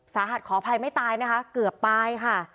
สาหัสขออภัยไม่ตายนะคะเกือบไปค่ะ